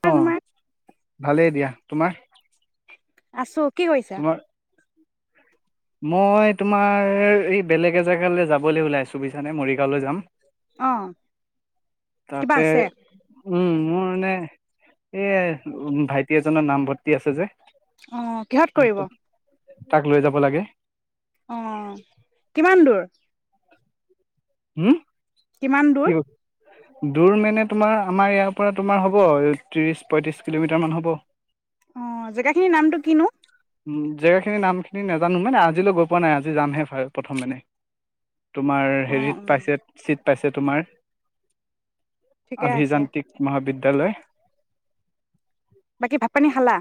Hello অ', ভালেই দিয়া তোমাৰ আছোঁ কি কৰিছা? তোমাৰ মই তোমাৰ এই বেলেগ এজেগালৈ যাবলৈ ওলাইছোঁ বুইছানে মৰিগাঁওলৈ যাম। আহঁ', তাতে উম', মোৰ এনে এ', ভাইটি এজনৰ নামভৰ্তি আছে যে', অ', কিহত কৰিব? তাক লৈ যাব লাগে। অ', কিমান দূৰ? হম', কিমান কি দূৰ? দূৰ মানে তোমাৰ, আমাৰ ইয়াৰ পৰা তোমাৰ হ'ব ত্ৰিশ-পঁয়ত্ৰিশ কিলোমিটাৰ মান হ'ব। অ', জেগাখিনিৰ নামটো কিনো? উম ', জেগা খিনি নাম', -খিনি নাজানো মানে, আজিলৈ গৈ ', পোৱা নাই আজি যামহে ভাল, প্ৰথম মানে তোমাৰ অ অ হেৰিত পাইছে চিট, পাইছে তোমাৰ', ঠিকে আছে আভিযান্ত্ৰিক মহাবিদ্যা, কেলে। বাকি ভাত-পানী খালা?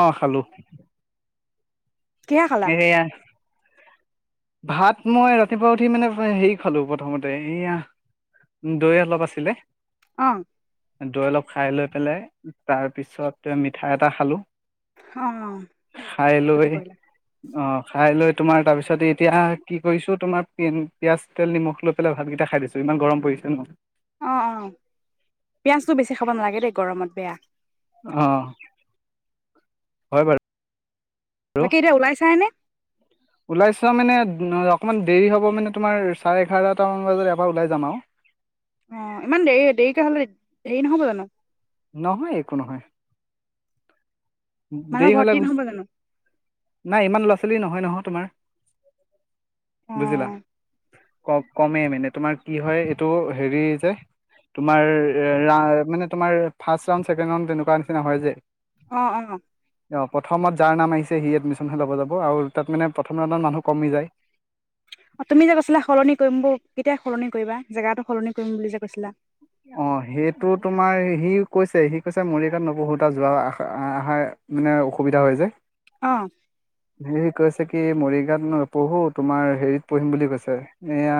অ', খালোঁ। কিহে খালা কেৰিয়াৰ, ভাত মই', ৰাতিপুৱা উঠি মানে হেৰি খালোঁ প্ৰথমতে এয়া', দৈ অলপ আছিলে। অ', দৈ অলপ খাই লৈ পেলাই তাৰ পিছত মিঠাই, এটা খালোঁ। অ', ক্ষতি কৰিলা, অ', খাই লৈ তোমাৰ, তাৰপিছত এই', এতিয়া কি কৰিছোঁ তোমাৰ পিয়াজ -নিমখ লৈ পেলাই ভাতকেইটা খাই দিছোঁ ইমান গৰম পৰিছে ন', অহ ', - অহ', পিয়াজটো বেছি খাব নালাগে দেই, বেছি গৰমত বেয়া, আহ', হয় বাৰু। বাকী এতিয়া ওলাই চানে? ওলাই চোৱা মানে অকমান দেৰি হ'ব মানে, তোমাৰ চাৰে-এঘাৰটামান বজাত এবাৰ ওলাই যাম আৰু। অ', ইমান দেৰি-দেৰিকে হ'লে দেৰি ন'হব জানো? নহয় -একো নহয়। মানুহৰ দেৰি হ'লে ভৰ্তি গুচ নহ'ব জানো নাই, ইমান ল'ৰা-ছোৱালী নহয়', - নহয় ', তোমাৰ, অ বুজিলা। কমে মানে তোমাৰ কি হয় ', -এইটো হেৰি যে তোমাৰ মানে তোমাৰ ফাৰ্ষ্ট-ৰাউণ্ড, চেকেণ্ড- -ৰাউণ্ড তেনেকুৱা নিচিনা হয় যে',। অ', - অ', অ', প্ৰথমত যাৰ নাম আহিছে সি এডমিশনহে ল'ব যাব, আৰু তাত মানে প্ৰথম ৰাউণ্ডত মানুহ কমি যায়। অ', তুমি যে কৈছিলা সলনি কৰিম বো কেতিয়া সলনি কৰিবা? জেগাটো সলনি কৰিম বুলি যে কৈছিলা, অ', সেইটো তোমাৰ সি কৈছে', - সি কৈছে মৰিগাওঁত নপহো, তাত যোৱা আহাৰ মানে অসুবিধা হয় যে। আহ কৈছে কি মৰিগাঁৱত নপঢ়ো তোমাৰ হেৰিত পঢ়িম বুলি কৈছে এয়া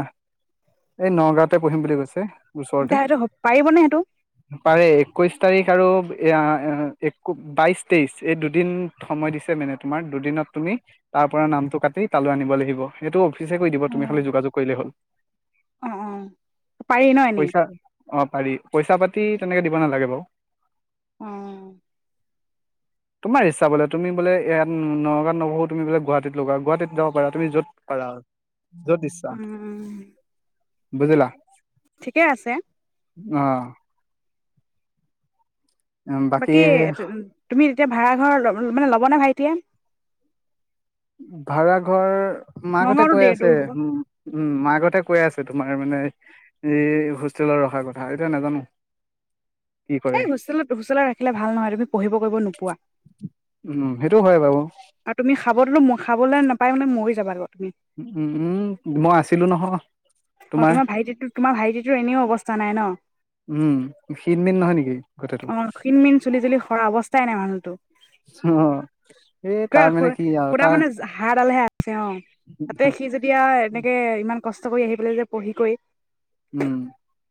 এই নগাঁৱতে পঢ়িম বুলি কৈছে। ওচৰতে এতিয়া সেইটো পাৰিবনে সেইটো পাৰে একৈশ তাৰিখ আৰু এ এক বাইশ তেইশ এই দুদিন সময় দিছে মানে তোমাৰ দুদিনত তুমি তাৰ পৰা নামটো কাটি তালৈ আনিব লাগিব সেইটো অফিচ কৈ দিব তুমি খালি অ', যোগাযোগ কৰিলেই হ'ল। অ অ পাৰি ন এনেই পইচা অ পাৰি পইচা পাতি তেনেকে দিব নালাগে বাৰু অ তোমাৰ ইচ্ছা বোলে তুমি বোলে ইয়াত নগাঁৱত নবহো তুমি বোলে গুৱাহাটীত লগা গুৱাহাটীত যাব পাৰা তুমি য'ত পাৰা য'ত ইচ্ছা উমহ বুজিলা ঠিকে আছে অ বাকী তুমি এতিয়া ভাৰা ঘৰ মানে ল'বনে মানে ভাইটিয়ে। ভাৰা ঘৰ মাক হঁতে নগাঁওতো কৈ দে আছে দূৰ হ'ব উম মাক হঁতে কৈ আছে। তোমাৰ মানে এই হোষ্টেলত ৰখাৰ কথা এতিয়া নেজানো। এই হোষ্টেলত হুচেলত ৰাখিলে ভাল নহয় তুমি পঢ়িব কৰিব নোপোৱা উম সেইটো হয় বাও আৰু তুমি খাব দিলো ম খাবলে নেপাই মানে মৰি যাবা উম উম মই আছিলো নহয়। অ তোমাৰ ভাইটিটো তোমাৰ ভাইটিটোৰ এনেও অৱস্থা নাই ন উম ক্ষীণ মিন নহয় নেকি কথাটো অ ক্ষিন মিন চুলি তুলি কৰা অৱস্থাই নাই মানুহতো অ এই তাৰ মানে কি আৰু সুদা তাৰ মানে হাড়ডালহে অ তাতে সি যেতিয়া এনেকে ইমান কষ্ট কষ্ট কৰি আহি যে পঢ়ি কৰি উম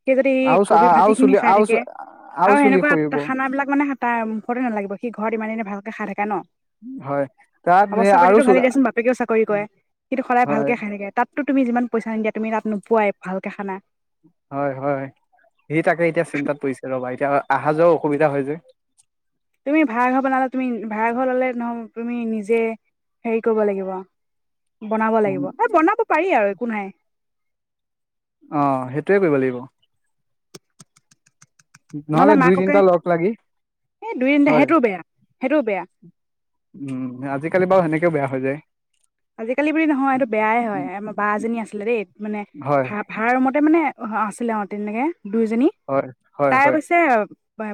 সি যদি আৰু কবি ভাজি আৰু খিনি চুলি খাই আৰু থাকে আৰু চুলি সেনেকুৱা সৰিব খানাবিলাক মানে তাৰ মুখতে নেলাগিব সি ঘৰত ইমান দিনে ভালকে খাই থকা ন হয় তাত অৱস্থা আৰু পাতিটো চুল ভালেই দিয়াচোন বাপেকেও চাকৰি কৰে কিন্তু সদায় হয় ভালকে খাই থাকে তাত তুমি যিমান পইচা নিদিয়া। তুমি তাত নোপোৱাই ভালকে খানা। হয় হয় সি তাকে এতিয়া চিন্তাত পৰিছে ৰ'বা এতিয়া অহা যোৱাও অসুবিধা হয় যে। তুমি ভাড়া ঘৰ বনালে তুমি ভাড়া ঘৰ ললে নহয় তুমি নিজে হেৰি কৰিব লাগিব। বনাব লাগিব উম এই বনাব পাৰি আৰু একো নাই। অ সেইটোৱে কৰিব লাগিব। নহলে দুই তিনিটা লগ লাগি এই দুই তিনিটা হয় সেইটো বেয়া সেইটোও বেয়া উম আজিকালি বাৰু সেনেকে। বেয়া হৈ যায়। আজিকালি বুলি নহয় এইটো বেয়াই হয় উম আমাৰ বা এজনী আছিলে দেই মানে হয় ভাড়া ৰুমতে মানে। অ আছিলে অঁ তেনেকৈ দুইজনী হয় হয় তাই হয় অৱশ্যে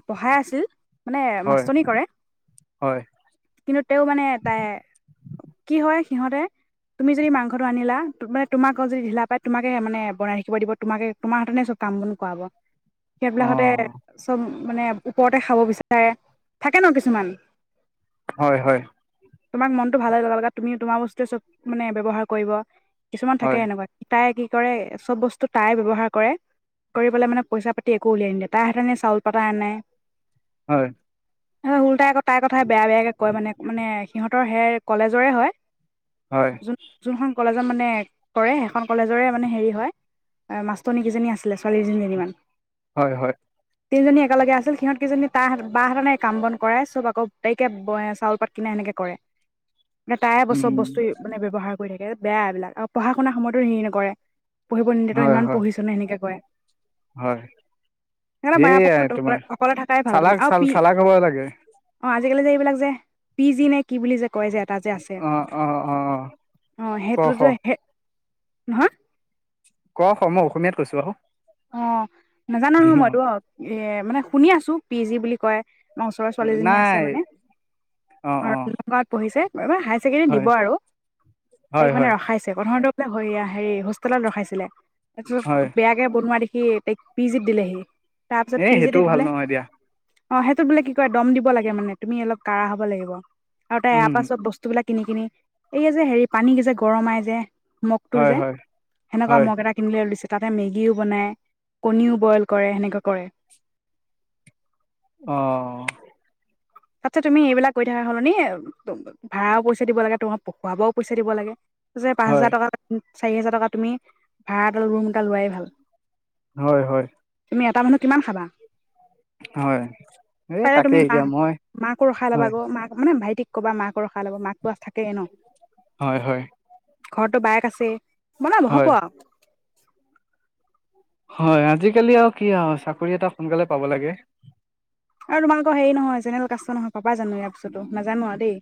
পঢ়াই আছিল। মানে হয় মাষ্টনি কৰে হয় কিন্তু তেওঁ মানে তাই কি হয়। সিহঁতে তুমি যদি মাংসটো আনিলা, মানে তোমাক আ যদি ঢিলা পাই তোমাকে মানে বনাই থাকিব দিব তোমাকে তোমাৰ হতে চব কাম বন কৰাৱাব। সেইবিলাকতে অ চব মানে ওপৰতে খাব বিচাৰে থাকে ন কিছুমান। হয় হয়। তোমাক মনটো ভালে লগা তুমি তোমাৰ বস্তুে চব মানে ব্যৱহাৰ কৰিব কিছুমান থাকে হয় এনেকুৱা তাইে কি, কি কৰে, চব বস্তু তাই ব্যৱহাৰ কৰে কৰি পেলাই মানে পইচা পাতি একো উলিয়াই নিদিয়ে তাই হতেনে চাউল পাতা আনে হয়। উলটাই আক তাই কথা বেয়া বেয়াকে কয় মানে মানে সিহঁতৰ সে কলেজৰে হয়। হয়। যোন যোনখন কলেজত মানে কৰে, সেইখন কলেজৰে মানে হেৰি হয় মাষ্টনীকেইজনী আছিলে ছোৱালী কেইজনীমান হয় হয়। তিনিজনী একেলগে আছিল সিহঁত কেইজনী তাহ বাহ কাম বন কৰাই চব আক গোটাইকে চাউল পাত কিনানে সেনেকে কৰে তাই। উম, চব উম, বস্তুে মানে ব্যৱহাৰ কৰি থাকে। বেয়া এইবিলাক আৰু পঢ়া শুনা সময়তো সেইখিনি কৰে। পঢ়িব নিদিয়ে তো হয় ইমান হয় পঢ়িছ নে সেনেকে কয় হয় মায় সেয়াই পক্ষত তোমাৰ অকলে থাকাই ভাল তুমি চালাক আৰু চাল পি চালাক হ'ব লাগে অ আজিকালি যে এইবিলাক যে পি জি নে কি বুলি যে কয় যে এটা যে আছে। অ অ অ অ ক সেইটো খ যে সে হা। ক খ মই অসমীয়াত কৈছো আহো। অ নাজানা হ মই ৰো এ মানে শুনি আছো। পি জি বুলি কয়। আমাৰ ওচৰৰ ছোৱালীজনী আছে নাই মানে অ নগাঁৱত পঢ়িছে। এইবাৰ হাই চছেকেণ্ডেৰী হয় দিব আৰু, তাইক হয় মানে হয় ৰখাইছে প্ৰথম হয়-হেৰি হোষ্টেলত ৰখাইছিলে। আচ্ছ হয় বেয়া কে [unintelligible] দেখি তাইক পি জিত দিলেহি। তাৰপিছত এ পি জিত সেইটোও ভাল বোলে নহয় দিয়া। অ সেইটোত বোলে কি কয় দম দিব লাগে মানে তুমি অলপ কাঢ় হ'ব লাগিব। আৰু তাই এয়াৰ উম পাৰা চব বস্তুবিলাক কিনি-কিনি এই যে হেৰি পানী কি যে গৰমাই যে মগ টো হয় যে, হয় সেনেকুৱা হয় মগ এটা কিনিলে লিছে তাতে ম বনাই, কণীও বইল কৰে, সেনেকুৱা কৰে। অহ। তাতচে তুমি এইবিলাক কৰি থাকা সলনি, ভাড়াও পইচা দিব লাগে তোমাৰ, প-পঢ়াবও পইচা দিব লাগে যে পাঁচ হয় হাজাৰ টকা ল চাৰি হোজাৰ টকা তুমি ভাড়াত এটা ৰুম এটা লোৱাই ভাল। হয়-হয়। তুমি এটা মানুহ কিমান খাবা? হয়, এই তাকে এতিয়া মই মাঁকো ৰখাই লবা হয় আকৌ মাঁক ভাইটিক কবা মাঁকো ৰখাই লব মাঁকটো থ হয়-হয়। ঘৰৰতটো বায়েক আছে [unintelligible] পোৱা হয়, আজিকালি আৰু কি আৰু চাকৰি এটা সোনকালে পাব লাগে। আৰু তোমালোকৰ হেৰি নহয়, জেনেৰে কাষ্টৰ নহয় পাবা জানো ইয়াৰ পিছতো নাজানো আৰু দেই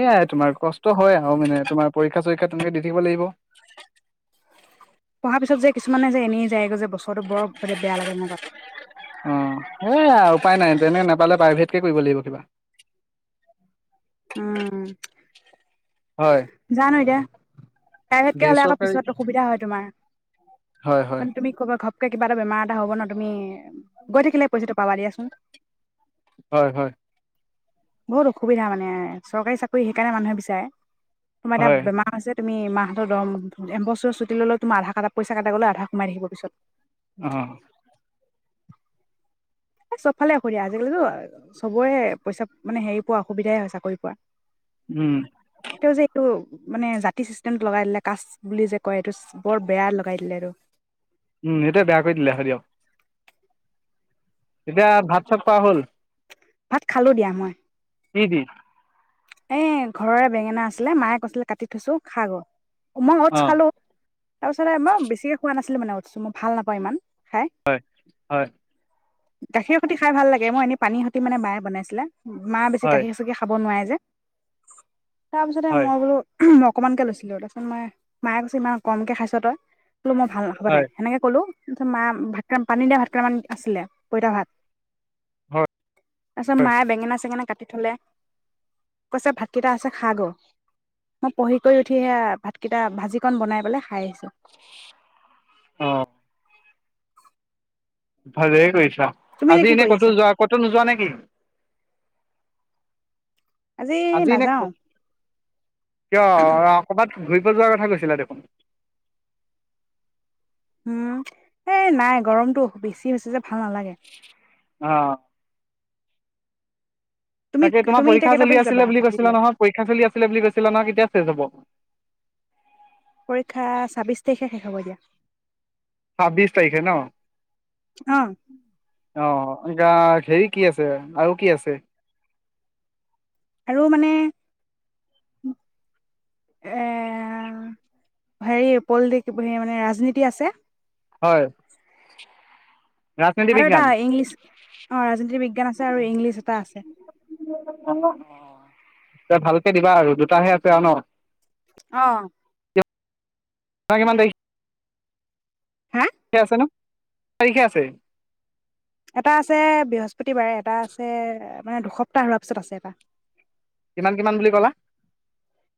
এয়াই তোমাৰ কষ্ট হয় আৰু মানে তোমাৰ পৰীক্ষা চৰীক্ষাত তেনেকে দি থিব লাগিব পঢ়াৰ পিছত যে কিছুমানে যে এনেই যায়গৈ যে বছৰটো বৰ বেয়া লাগে এনেকুৱা অ, এইয়া উপায় নাই তেনে নাপালে প্ৰাইভেটকে কৰিব লাগিব কিবা। উম। হয় জানো এতিয়া প্ৰাইভেটকে হ'লে আক বেচৰকাৰী পিছত অসুবিধা হয় তোমাৰ, হয় হয় মানে তুমি ক'বা ঘ ঘপকে কিবা এটা বেমাৰ এটা হ'ব ন তুমি গৈ থাকিলেহে পইচাটো পাবা দিয়াচোন হোম হয়, হয়। বহুত অসুবিধা মানে চৰকাৰী চাকৰি সেইকাৰণে মানুহে বিচাৰে তোমাৰ হয় এতিয়া বেমাৰ হৈছে তুমি মাহ ত দৰম এবছৰ ছুটি ল'লেও তোমাৰ আধা কা পইচা কাটা গ'লেও আধা সোমাই থাকিব পিছত অ এ চব ফালে অসুবিধা আজিকালিটো চবৰে পইচা মানে হেৰি পোৱা অসুবিধাই হয় চাকৰি পোৱা উম ত যে এইটো মানে জাতি চিষ্টেমটো লগাই দিলে কাচ বুলি যে কয় এইটো বৰ বেয়া লগাই দিলে আৰু উম এইটোৱে বেয়া কৰি দিলে হয় দিয়ক এতিয়া ভাত চাত খোৱা হ'ল ভাত খালো দিয়া মই কি দি এ ঘৰৰে বেঙেনা আছিলে মায়ে কৈছিলে কাটি থৈছো খাগৈ উম নোটছ অ' খালো তাৰপিছত মই বেছিকে খোৱা নাছিলো মানে উঠছ ম ভাল নাপাওঁ ইমান হয় হয় গাখীৰ সৈতি খাই ভাল লাগে মই এনে পানী সৈতি মানে বায়ে বনাইছিলে মা বেছি হয় গাখীৰ চাকি খাব নোৱাৰে যে তাৰ পিছতে হয় মই বোলো উমহ অকমানকে লৈছিলো তাৰপছত মই মায়ে কৈছো ইমান কমকে খাইছ তই কলো মই ভাল নাখাবা হয় দে হয় এনেকে কলো তাৰপিছত মা ভাতক পানী দিয়া ভাত কেইটামান আছিলে পইতা ভাত তাৰপিছত হয় মায়ে বেঙেনা চেঙেনা কাটি থ'লে কৈছে ভাতকেইটা আছে খা গৈ মই পঢ়ি কৰি উঠি সেয়া ভাতকেইটা ভাজি কন বনাই পেলাই খাই আছোঁ অহ ভালে কৰিছ তুমি এতিয়া আজি কি এনে কৰি ক'তো আছা যোৱা ক'তো নোযোৱা নেকি আজি নাযাওঁ কিয় ক'ৰবাত ঘুৰিব যোৱাৰ কথা কৈছিলা দেখোন উম এই নাই গৰমটো বেছি হৈছে যে ভাল নালাগে অ তুমি তাকে তোমাৰ তুমি এতিয়া পৰীক্ষা কেইটা চলি বাজি যাবা আছিলে বুলি মেট্ৰিক কৈছিলা লৈ নহয় পৰীক্ষা চলি আছিল বুলি কৈছিলা নহয় তেতিয়া শেষ হ'ব। পৰীক্ষা ছাবিশ তাৰিখে শেষ হ'ব দিয়া। ছাবিশ তাৰিখে ন অ। অ এতিয়া হেৰি কি আছে আৰু কি আছে। আৰু মানে এ হেৰি পলিট মানে ৰাজনীতি আছে। হয়। ৰাজনীতি আৰু এটা বিজ্ঞান ইংলিছ অ ৰাজনীতি বিজ্ঞান আছে আৰু ইংলিছ এটা আছে। এ ভালকে দিবা আৰু দুটাহে আছে আৰু ন। অ [inaudible] ঠিকেই হা আছে ন। তাৰিখে আছে। এটা আছে বৃহস্পতিবাৰে এটা আছে- দুসপ্তাহ হোৱাৰ পিছত আছে এটা। কিমান কিমান বুলি ক'লা।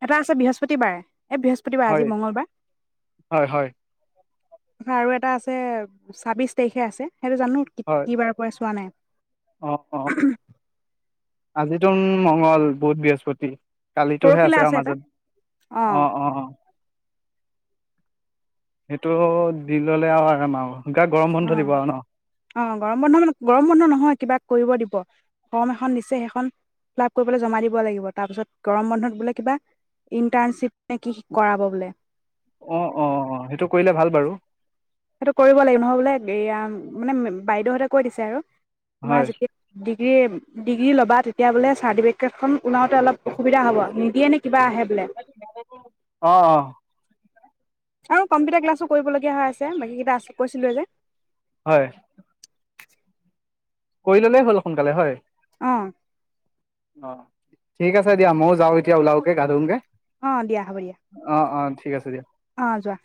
এটা আছে বৃহস্পতিবাৰে এই বৃহস্পতিবাৰ হয় আজি হয় হয় মঙ্গলবাৰ। আৰু এটা আছে ছাবিশ তাৰিখে আছে। সেইটো জানোঁ কি বাৰে পৰে চোৱা নাই। অ অ আজিতো মংগল বুধ বৃহস্পতি কালিতোহে পৰহিলা আছে আৰু এটা মাজত অ অ। সেইটো দি ল'লে আৰু আৰাম আৰু। গৰম বন্ধ অ দিব আৰু ন অ গৰম বন্ধ মানে গৰম বন্ধ নহয় কিবা কৰিব দিব। ৰ্ফম এখন দিছে সেইখন ফ্লাপ কৰিপেলে জমা দিব লাগিব তা পিছত গৰম বন্ধত বোলে কিবা ইন্টাৰ্নচিপ নে কি কৰাব বোলে। অ অ অ সেইটো কৰিলে ভাল বাৰু। সেইটো কৰিব লাগিব নহয় বোলে। এয়া মানে বাইদেউহতে কৈ দিছে আৰু। তোমাৰ হয় যেতিয়া দি। ডিগ্ৰী ল'বা তেতিয়া বোলে চাৰ্টিফিকেটখন ওলাওঁতে অলপ অসুবিধা হ'ব নিদিয়ে নে কিবা আহে বোলে অহ অহ। আৰু কম্পিউটাৰ ক্লাছো কৰিবলগীয়া হৈ আছে বাকী কেইটা আছে কৈছিলোয়ে যে। হয়। কৰি ললেই হ'ল সোনকালে হয়। অহ অ ঠিক আছে দিয়া মইও যাওঁ এতিয়া ওলাওগে গা ধুঙগে। অ দিয়া হ'ব দিয়া। ঠিক আছে দিয়া। অ যোৱা।